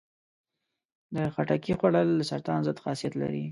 د خټکي خوړل د سرطان ضد خاصیت لري.